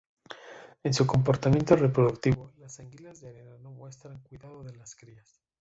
En su comportamiento reproductivo, las anguilas de arena no muestran cuidado de las crías.